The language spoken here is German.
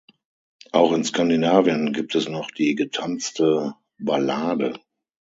Auch in Skandinavien gibt es noch die getanzte "Ballade".